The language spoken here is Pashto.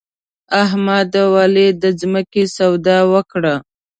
احمد او علي د ځمکې سودا وکړه.